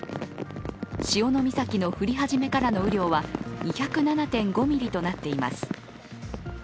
潮岬の降り始めからの雨量は２０７．５ミリとなっています。